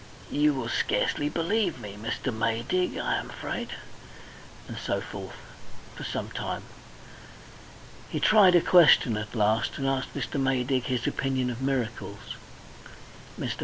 "You will scarcely believe me, Mr. Maydig, I am afraid" and so forth for some time. He tried a question at last, and asked Mr. Maydig his opinion of miracles. Mr.